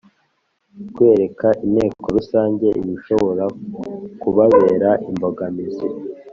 Kwereka Inteko Rusange ibishobora kubabera imbogamizi